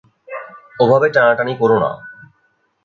ওভাবে টানাটানি কোরো না!